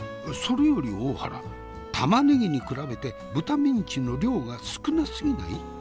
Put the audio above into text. それより大原玉ねぎに比べて豚ミンチの量が少なすぎない？